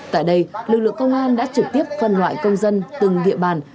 tại đây lực lượng công an đã trực tiếp phân loại công dân từng địa bàn